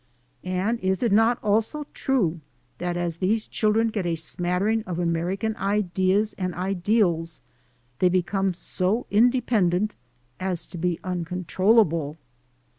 And is it not also true that as these children get a smattering of American ideas and ideals they become so inde pendent as to be uncontrollable?